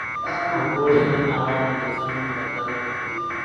د کور دننه هوا منظم بدله کړئ.